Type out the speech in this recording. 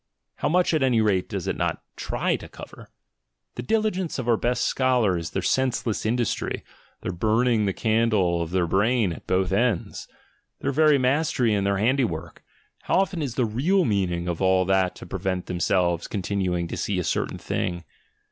How much, at any rate, does it not try to cover? The diligence of our best scholars, their sense less industry, their burning the candle of their brain at both ends — their very mastery in their handiwork — how often is the real meaning of all that to prevent themselves continuing to see a certain thing?